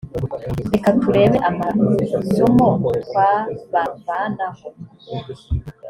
reka turebe amasomo twabavanaho.